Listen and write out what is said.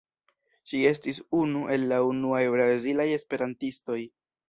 Ŝi estis unu el la unuaj brazilaj esperantistoj.